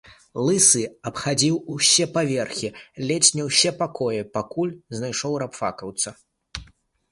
Лысы абхадзіў усе паверхі, ледзь не ўсе пакоі, пакуль знайшоў рабфакаўца.